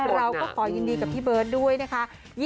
เราก็ขอยินดีกับพี่เบิร์ตด้วยนะคะ